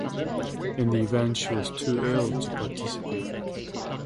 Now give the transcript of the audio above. In the event she was too ill to participate.